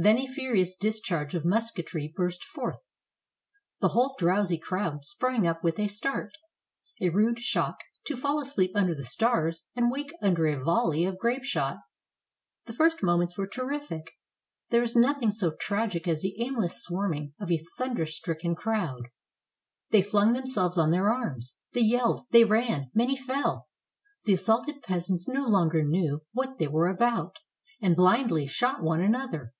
Then a furious discharge of musketry burst forth. The whole drowsy crowd sprang up with a start. A rude shock, — to fall asleep under the stars and wake under a volley of grape shot. The first moments were terrific. There is nothing so tragic as the aimless swarming of a thunderstricken crowd. They flung themselves on their arms; they yelled, they ran; many fell. The assaulted peasants no longer knew what they were about, and blindly shot one another.